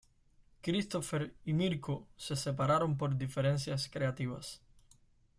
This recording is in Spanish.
Christopher y Mirko se separaron por diferencias creativas.